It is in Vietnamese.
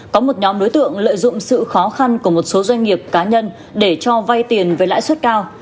có một nhóm đối tượng lợi dụng sự khó khăn của một số doanh nghiệp cá nhân để cho vay tiền với lãi suất cao